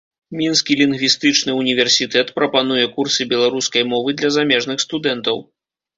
Мінскі лінгвістычны універсітэт прапануе курсы беларускай мовы для замежных студэнтаў.